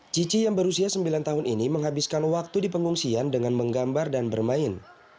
cici yang berusia sembilan tahun ini menghabiskan waktu di pengungsian dengan menggambar dan bermain